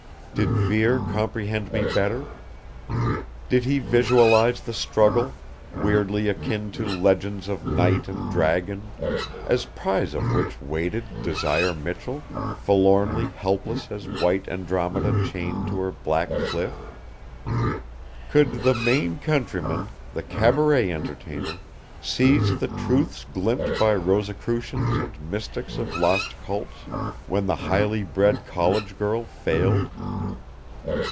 Did Vere comprehend me better? Did he visualize the struggle, weirdly akin to legends of knight and dragon, as prize of which waited Desire Michell; forlornly helpless as white Andromeda chained to her black cliff? Could the Maine countryman, the cabaret entertainer, seize the truths glimpsed by Rosicrucians and mystics of lost cults, when the highly bred college girl failed?